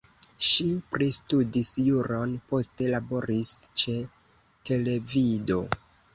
Ŝi pristudis juron, poste laboris ĉe televido.